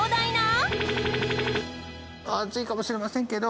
暑いかもしれませんけど。